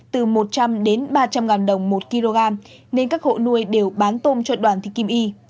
từ một trăm linh đến ba trăm linh ngàn đồng một kg nên các hộ nuôi đều bán tôm cho đoàn thị kim y